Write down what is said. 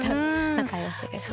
仲良しですね。